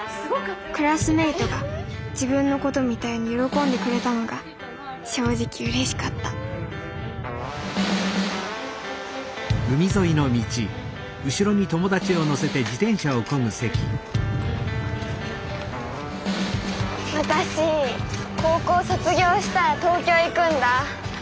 クラスメートが自分のことみたいに喜んでくれたのが正直うれしかった私高校卒業したら東京行くんだ。